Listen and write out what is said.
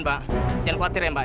jangan khawatir ya mbak